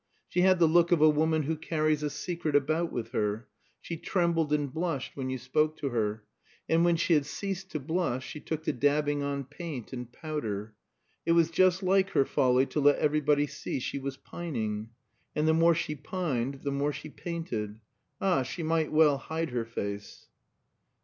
She had the look of a woman who carries a secret about with her. She trembled and blushed when you spoke to her. And when she had ceased to blush she took to dabbing on paint and powder. It was just like her folly to let everybody see she was pining. And the more she pined the more she painted. Ah, she might well hide her face!